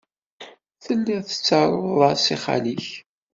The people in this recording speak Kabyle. Tellid tettarud-as i xali-k.